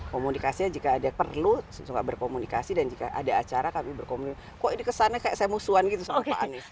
komunikasinya jika ada yang perlu suka berkomunikasi dan jika ada acara kami berkomunikasi kok ini kesannya kayak saya musuhan gitu sama pak anies